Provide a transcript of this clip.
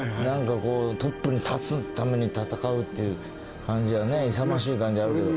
トップに立つために戦うっていう感じがね勇ましい感じあるけど。